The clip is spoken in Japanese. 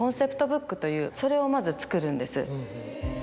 それをまず作るんです。